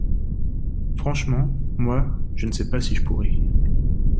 Franchement, moi, je ne sais pas si je pourrais.